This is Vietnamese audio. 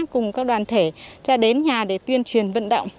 cùng các đoàn thể sẽ đến nhà để tuyên truyền vận động